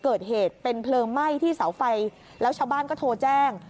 เกิดเหตุเป็นเพลิงไหม้ที่เสาไฟแล้วชาวบ้านก็โทรแจ้ง